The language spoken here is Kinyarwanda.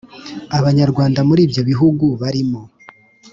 Abanyarwanda muri ibyo bihugu barimo